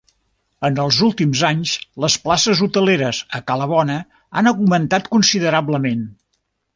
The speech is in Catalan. En els últims anys, les places hoteleres a Cala Bona han augmentat considerablement.